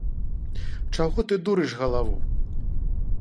Чаго ты дурыш галаву?